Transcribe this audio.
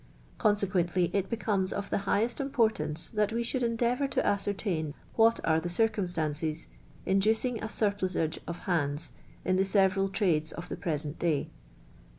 Consequently it becomes of the highest importance that we should endeavour to ascertiin what are the circumstances inducing a surplusage of hands in the several trades of the present duy.